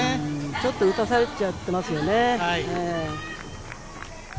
ちょっと打たされちゃってますよね。